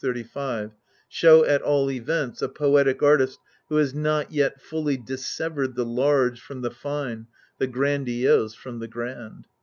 635), show, at all events, a poetic artist who has not yet fully dissevered the large from the fine, the grandiose from the grand.